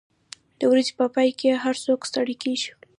د ورځې په پای کې هر څوک ستړي کېږي.